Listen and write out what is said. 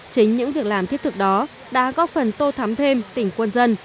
chính những việc làm thiết thực đó đã góp phần tô thắm thêm tỉnh quân dân